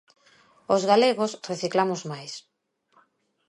Os galegos reciclamos máis.